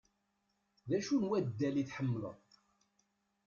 D acu n waddal i tḥemmleḍ?